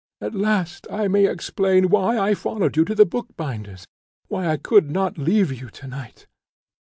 At last I may explain why I followed you to the bookbinder's why I could not leave you to night!